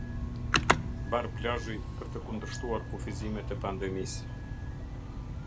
Bar plazhi për të kundërshtuar kufizimet e pandemisë.